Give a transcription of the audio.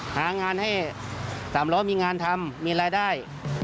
หางานให้๓๐๐มีงานทำมีรายได้